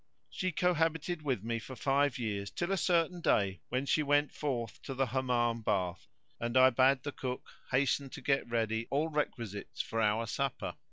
She cohabited with me for five years till a certain day when she went forth to the Hammam bath; and I bade the cook hasten to get ready all requisites for our supper.